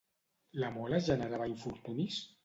La Mola generava infortunis?